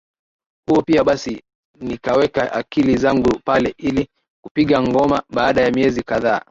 huo pia basi nikaweka akili zangu pale ili kupiga ngomaBaada ya miezi kadhaa